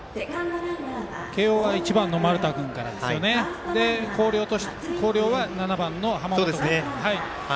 慶応は１番の丸田君からで広陵は７番の濱本君から。